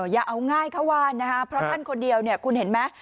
อย่าเอาง่ายเขาว่านะครับเพราะท่านคนเดียวคุณเห็นไหม